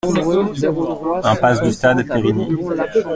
Impasse du Stade, Périgny